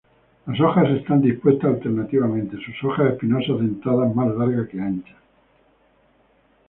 Las hojas están dispuestas alternativamente, sus hojas espinosas-dentadas más largas que anchas.